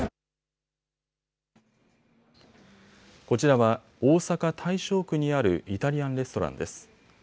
こちらは大阪大正区にあるイタリアンレストランです。